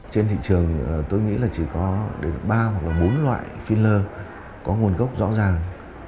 trên thị trường tôi nghĩ là chỉ có ba hoặc bốn loại filler có nguồn gốc rõ ràng